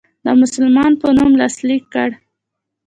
د مسلمان په نوم لاسلیک کړ.